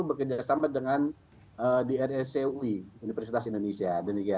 bekerjasama dengan drecui universitas indonesia